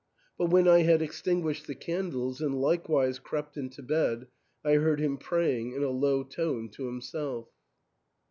But when I had extinguished the candles and likewise crept into bed, I heard him praying in a low tone to himself.